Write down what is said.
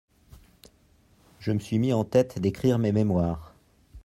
Je me suis mis en tête d'écrire mes mémoires.